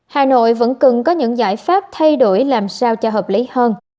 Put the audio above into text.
hà nội vẫn cần có những giải pháp thay đổi làm sao cho hợp lý hơn